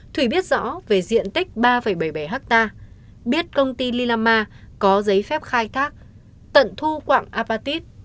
thủy biết rõ về diện tích ba bảy mươi bảy hectare biết công ty lilama có giấy phép khai thác tận thu quạng apatit